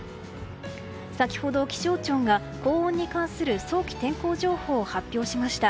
先ほど気象庁が高温に関する早期天候情報を発表しました。